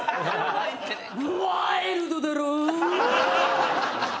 ワイルドだろぉ？